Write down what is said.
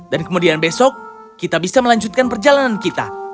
dan kemudian besok kita bisa melanjutkan perjalanan kita